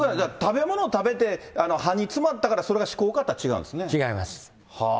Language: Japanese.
食べ物食べて、歯に詰まったからそれが歯こうかっていったら違います。